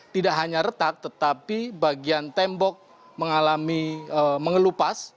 tidak hanya retak tetapi bagian tembok mengalami mengelupas